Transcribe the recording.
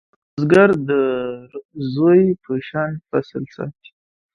بزګر د زوی په شان فصل ساتي